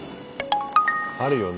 あるよね。